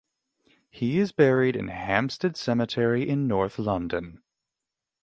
He is buried in Hampstead Cemetery in north London.